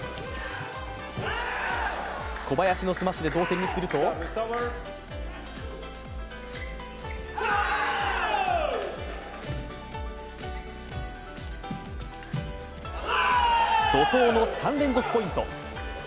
小林のスマッシュで同点にすると怒とうの３連続ポイント。